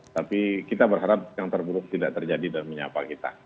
tapi kita berharap yang terburuk tidak terjadi dan menyapa kita